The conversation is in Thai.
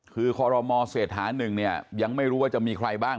คือคอรมอเศรษฐานึงเนี่ยยังไม่รู้ว่าจะมีใครบ้าง